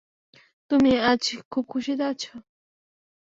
তুমি আজ খুব খুশীতে আছো?